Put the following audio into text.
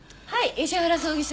石原葬儀社。